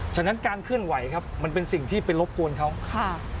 ฉะนั้นการเคลื่อนไหวครับมันเป็นสิ่งที่ไปรบกวนเขาค่ะ